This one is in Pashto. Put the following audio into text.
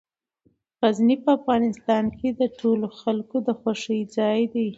غزني په افغانستان کې د ټولو خلکو د خوښې ځای دی.